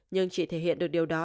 nhưng chỉ thể hiện được điều đó